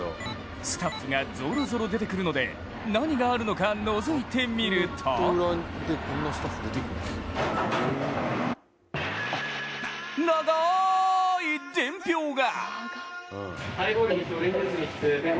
スタッフがぞろぞろ出てくるので何があるのかのぞいてみると長い伝票が。